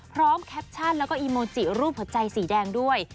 แคปชั่นแล้วก็อีโมจิรูปหัวใจสีแดงด้วย